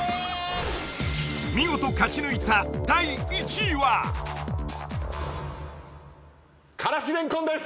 ［見事勝ち抜いた第１位は？］からし蓮根です！